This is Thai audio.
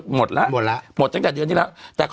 หมดละหมดจากเดือนที่แล้ว